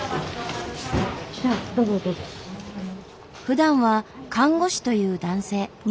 ふだんは看護師という男性。